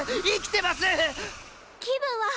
気分は？